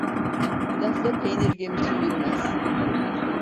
Lafla peynir gemisi yürümez.